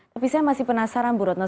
tapi saya masih penasaran bu retno